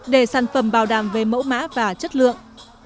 để sản phẩm bảo đảm về mẫu mã và chất lượng